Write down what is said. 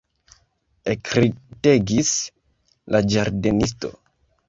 Ekridegis la ĝardenisto.